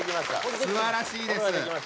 すばらしいです。